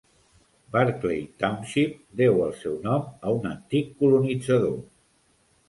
Barclay Township deu el seu nom a un antic colonitzador.